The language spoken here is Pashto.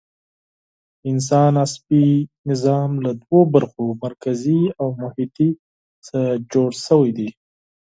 د انسان عصبي سیستم له دوو برخو، مرکزي او محیطي څخه جوړ شوی دی.